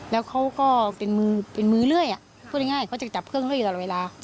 แล้วเค้าก็เป็นมือเลื่อยพูดง่ายเค้าจะจับเครื่องเค้าอยู่ตลอดเวลา